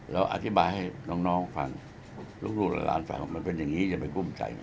เราอธิบายให้น้องน้องฝั่งลูกและล้านฝั่งของมันเป็นอย่างนี้อย่าไปกุ้มใจ